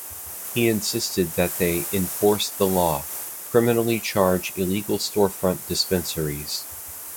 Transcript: He insisted that they "enforce the law": criminally charge illegal storefront dispensaries.